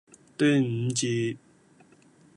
端午節